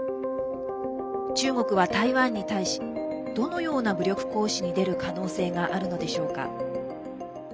中国は台湾に対しどのような武力行使に出る可能性があるのでしょうか。